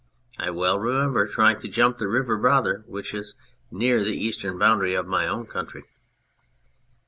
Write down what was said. I well remember trying to jump the River Rother, which is near the eastern boundary of my own county.